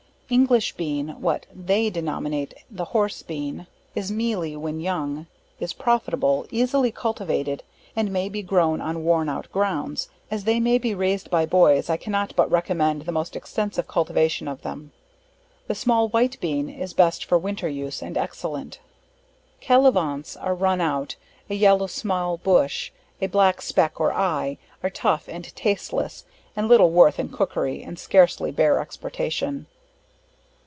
English Bean, what they denominate the Horse Bean, is mealy when young, is profitable, easily cultivated, and may be grown on worn out grounds; as they may be raised by boys, I cannot but recommend the more extensive cultivation of them. The small White Bean, is best for winter use, and excellent. Calivanse, are run out, a yellow small bush, a black speck or eye, are tough and tasteless, and little worth in cookery, and scarcely bear exportation.